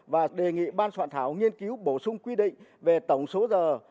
và đề nghị ban soạn thảo nghiên cứu bổ sung quy định về tổng số giờ